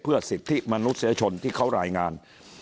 เพื่อสิทธิมนุษยชนที่เขารายงาน